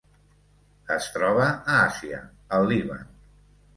Es troba a Àsia: el Líban.